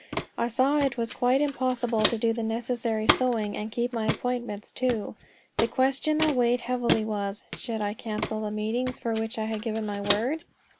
I saw it was quite impossible to do the necessary sewing and keep my appointments too. The question that weighed heavily was, "Should I cancel the meetings for which I had given my word?"